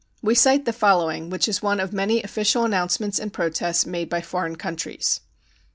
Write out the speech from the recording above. We cite the following, which is one of many official announcements and protests made by foreign countries.